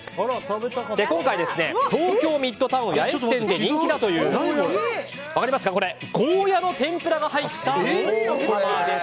今回は東京ミッドタウン八重洲店で人気だというゴーヤの天ぷらが入ったポーたまです。